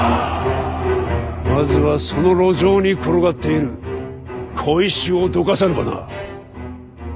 まずはその路上に転がっている小石をどかさねばな。